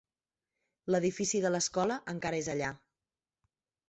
L'edifici de l'escola encara és allà.